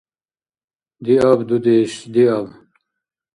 Диаб, дудеш, диаб!